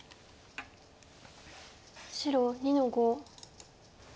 白２の五。